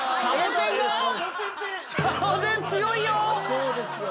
そうですよね。